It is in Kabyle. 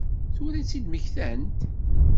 Tura i tt-id-mmektant?